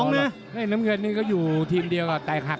น้ำเงินนี่ก็อยู่ทีมเดียวกับแตกหัก